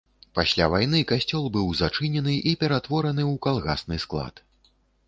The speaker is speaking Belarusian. Пасля вайны касцёл быў зачынены і ператвораны ў калгасны склад.